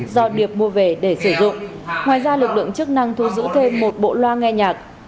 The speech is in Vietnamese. do điệp mua về để sử dụng ngoài ra lực lượng chức năng thu giữ thêm một bộ loa nghe nhạc